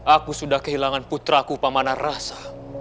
aku sudah kehilangan putraku pemana rasa